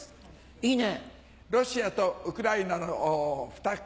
いいね。